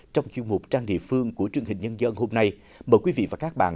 trong chuyên mục trang địa phương của truyền hình nhân dân hôm nay mời quý vị và các bạn